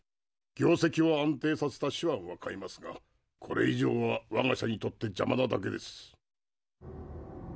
業績を安定させた手腕は買いますがこれ以上はわが社にとってじゃまなだけです。